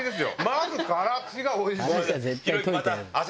まずカラシがおいしい。